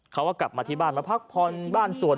เขาก็กลับมาที่บ้านมาพักผ่อนบ้านสวด